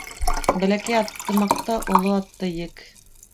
Бәләкәй атты маҡта, оло атты ек.